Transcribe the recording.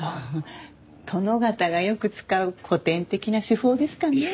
殿方がよく使う古典的な手法ですかね。